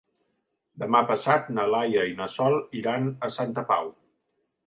Demà passat na Laia i na Sol iran a Santa Pau.